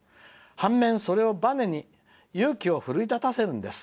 反面、それをバネに勇気を奮い立たせるんです。